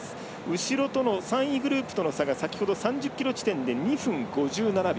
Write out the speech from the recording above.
後ろとの３位グループとの差が先ほど３０ｋｍ地点で２分５７秒。